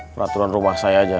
peraturan rumah saya aja